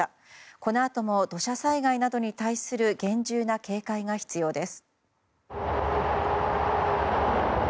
このあとも土砂災害などに対する厳重な警戒が必要です。